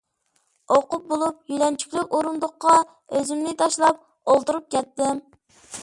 ئوقۇپ بولۇپ يۆلەنچۈكلۈك ئورۇندۇققا ئۆزۈمنى تاشلاپ ئولتۇرۇپ كەتتىم.